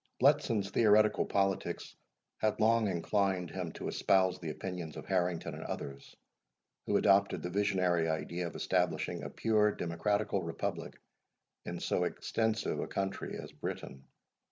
Bletson's theoretical politics had long inclined him to espouse the opinions of Harrington and others, who adopted the visionary idea of establishing a pure democratical republic in so extensive a country as Britain.